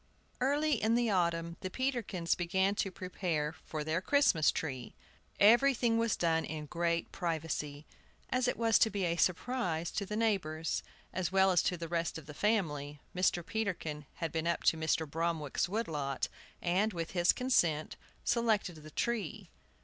EARLY in the autumn the Peterkins began to prepare for their Christmas tree. Everything was done in great privacy, as it was to be a surprise to the neighbors, as well as to the rest of the family. Mr. Peterkin had been up to Mr. Bromwick's wood lot, and, with his consent, selected the tree.